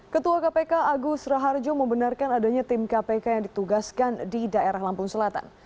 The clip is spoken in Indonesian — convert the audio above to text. ketua kpk agus raharjo membenarkan adanya tim kpk yang ditugaskan di daerah lampung selatan